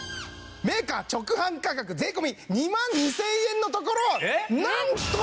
メーカー直販価格税込２万２０００円のところなんと！